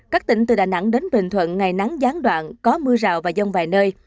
các tỉnh từ đà nẵng đến bình thuận ngày nắng gián đoạn có mưa rào và rông vài nơi